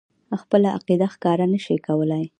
خپله عقیده ښکاره نه شي کولای.